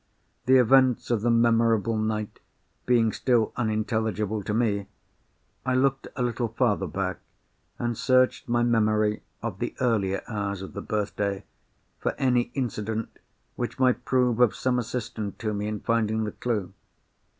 The events of the memorable night being still unintelligible to me, I looked a little farther back, and searched my memory of the earlier hours of the birthday for any incident which might prove of some assistance to me in finding the clue.